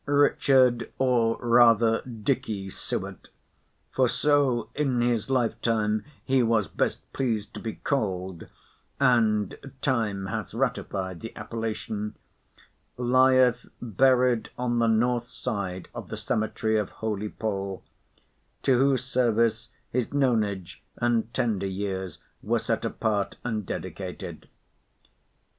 Richard, or rather Dicky Suett—for so in his lifetime he was best pleased to be called, and time hath ratified the appellation—lieth buried on the north side of the cemetery of Holy Paul, to whose service his nonage and tender years were set apart and dedicated.